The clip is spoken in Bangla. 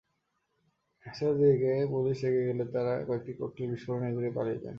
মিছিলের দিকে পুলিশ এগিয়ে গেলে তাঁরা কয়েকটি ককটেল বিস্ফোরণ ঘটিয়ে পালিয়ে যান।